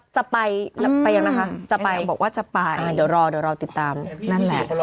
จะไปไปยังนะคะจะไปบอกว่าจะไปเดี๋ยวรอเดี๋ยวรอติดตามนั่นแหละ